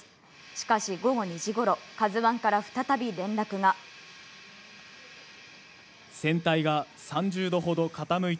しかし午後２時頃、ＫＡＺＵ１から再び連絡が。